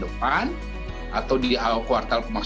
kejenuhannya misalnya di tahun depan